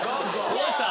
どうした？